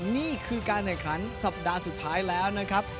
นี่คือการแข่งขันสัปดาห์สุดท้ายแล้วนะครับ